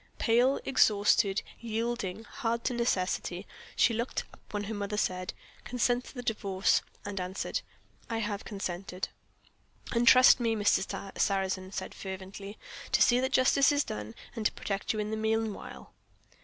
Pale, exhausted, yielding to hard necessity, she looked up when her mother said, "Consent to the Divorce," and answered, "I have consented." "And trust me," Mr. Sarrazin said fervently, "to see that Justice is done, and to protect you in the meanwhile."